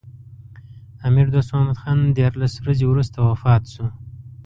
امیر دوست محمد خان دیارلس ورځې وروسته وفات شو.